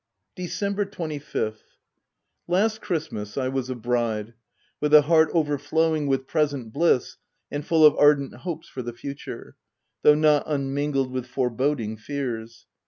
December 25th. — Last Christmas I was a bride, with a heart overflowing with present bliss, and full of ardent hopes for the future — though not unmingled with foreboding fears.